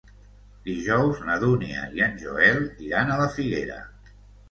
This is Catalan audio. Dijous na Dúnia i en Joel iran a la Figuera.